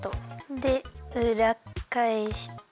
でうらっかえして。